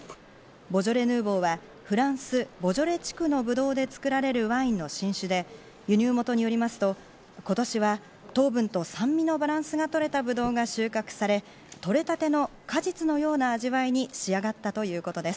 ボジョレ・ヌーボーはフランス・ボジョレ地区のブドウで造られるワインの新酒で輸入元によりますと、今年は糖分と酸味のバランスが取れたブドウが収穫され、取れたての果実のような味わいに仕上がったということです。